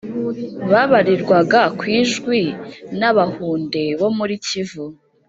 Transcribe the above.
babarirwaga kwjwi nAbahunde bo muri Kivu